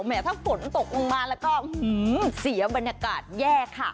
ถ้าฝนตกลงมาแล้วก็เสียบรรยากาศแย่ค่ะ